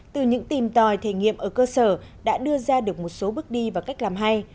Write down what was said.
từ những tìm tòi thể nghiệm ở cơ sở đã đưa ra được một số bước đi và cách làm hay